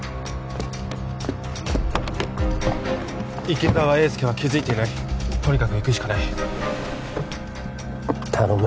池澤英介は気付いていないとにかく行くしかない頼む